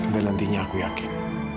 dan nantinya aku yakin